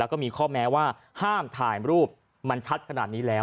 แล้วก็มีข้อแม้ว่าห้ามถ่ายรูปมันชัดขนาดนี้แล้ว